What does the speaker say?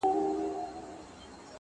د تورو شپو سپين څراغونه مړه ســول ـ